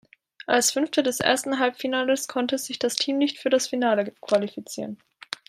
Als Fünfte des ersten Halbfinales konnte sich das Team nicht für das Finale qualifizieren.